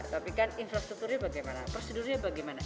tapi kan infrastrukturnya bagaimana prosedurnya bagaimana